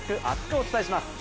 お伝えします。